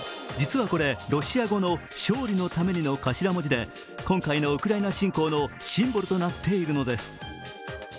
実はこれ、ロシア語の「勝利のために」の頭文字で今回のウクライナ侵攻のシンボルとなっているのです。